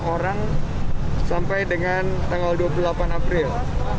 dua puluh orang sampai dengan tanggal dua puluh delapan april